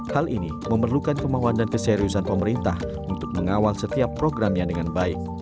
hal ini memerlukan kemauan dan keseriusan pemerintah untuk mengawal setiap programnya dengan baik